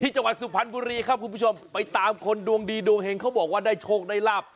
จังหวัดสุพรรณบุรีครับคุณผู้ชมไปตามคนดวงดีดวงเฮงเขาบอกว่าได้โชคได้ลาบ